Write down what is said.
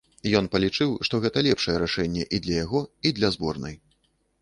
Ён палічыў, што гэта лепшае рашэнне і для яго, і для зборнай.